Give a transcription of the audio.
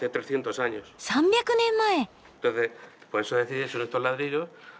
３００年前！